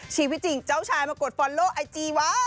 ชีวิตจริงเจ้าชายมากดฟอลโลกไอจีวะ